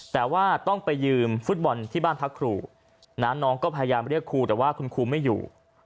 แต่ว่าต้องไปยืมฟุตบอลที่บ้านพักครูน้องก็พยายามเรียกครูแต่ว่าคุณครูไม่อยู่